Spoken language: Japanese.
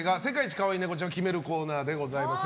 かわいいネコちゃんを決めるコーナーでございます。